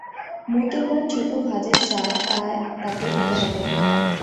মোতির মার ছোটো ভাজের সাধ, তাই তাকে দিতে হবে।